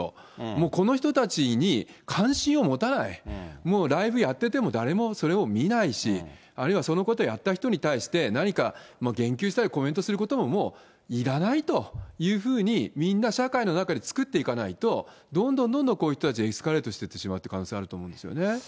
もうこの人たちに関心を持たない、もうライブやってても誰もそれを見ないし、あるいはそのことをやった人に対して何か言及したりコメントすることも、もういらないというふうに、みんな社会の中で作っていかないと、どんどんどんどんこういう人たちがエスカレートしていってしまうという可能性があると思うんですよね。